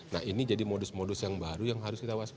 nah ini jadi modus modus yang baru yang harus kita waspada